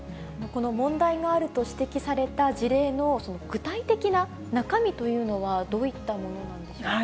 問題があると指摘された事例の具体的な中身というのは、どういったものなんでしょうか。